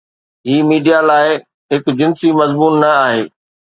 هي media لاء هڪ جنسي مضمون نه آهي.